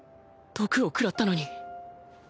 毒をくらったのに